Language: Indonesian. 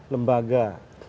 lembaga pengkajian dan penelitian